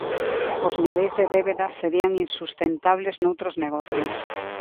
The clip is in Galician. Os niveis de débeda serían insustentables noutros negocios.